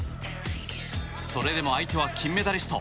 それでも相手は金メダリスト。